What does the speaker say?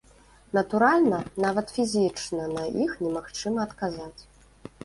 Натуральна, нават фізічна на іх немагчыма адказаць.